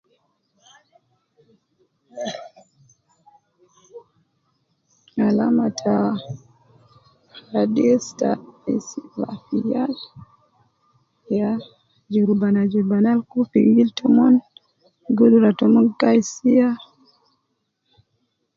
Alama ta radis ta isbah fi yal ya jurubana jurubana al kub fi gildu tomon, gudura tomon gi gai siya